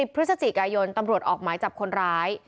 พฤศจิกายนตำรวจออกหมายจับคนร้าย